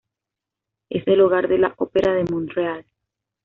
Es el hogar de la Ópera de Montreal.